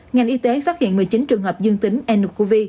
ngành y tế phát hiện một mươi chín trường hợp dương tính n cov